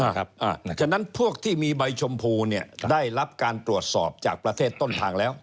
เพราะฉะนั้นพวกที่มีใบชมพูเนี่ยได้รับการตรวจสอบจากประเทศต้นทางแล้ว